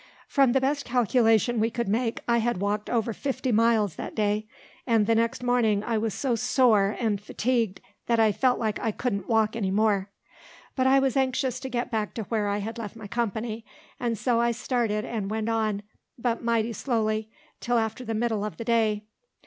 From the best calculation we could make, I had walked over fifty miles that day; and the next morning I was so sore, and fatigued, that I felt like I couldn't walk any more. But I was anxious to get back to where I had left my company, and so I started and went on, but mighty slowly, till after the middle of the day.